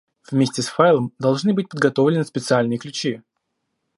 Вместе с файлом должны быть подготовлены специальные ключи